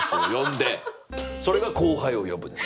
それが「後輩を呼ぶ」です。